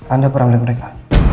anda perang dengan mereka